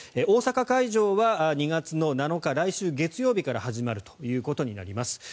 大阪会場は２月７日来週月曜日から始まるということになります。